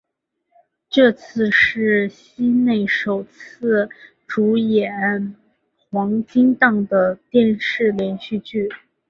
这次是西内首次主演黄金档的电视连续剧。